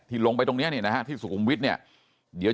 ที่ลงไปตรงนี้นะฮะที่สุขุมวิทเนี่ย